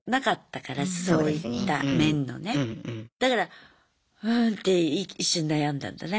だからうんって一瞬悩んだんだね。